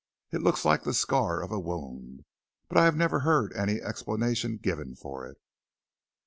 It looks like the scar of a wound, but I have never heard any explanation given of it."